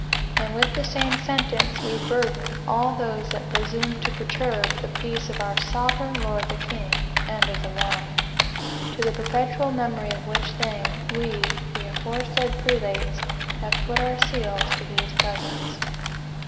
And with the same sentence we burden all those that presume to perturb the peace of our sovereign Lord the King, and of the Realm. To the perpetual memory of which thing, We, the aforesaid Prelates, have put our seals to these presents."